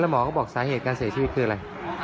หมอก็บอกสาเหตุการเสียชีวิตคืออะไร